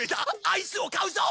アイスを買うぞ！